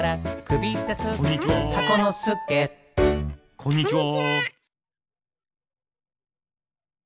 こんにちは！